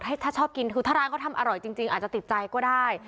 ถ้าชอบกินคือถ้าร้านเขาทำอร่อยจริงอาจจะติดใจก็ได้